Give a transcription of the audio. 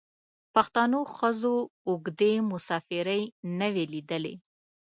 پښتنو ښځو اوږدې مسافرۍ نه وې لیدلي.